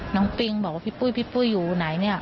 น้องปิงบอกว่าพี่ปุ้ยอยู่ไหนเนี่ย